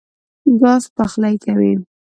ګاز پخلی کوي.